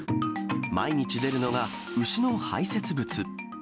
毎日出るのが、牛の排せつ物。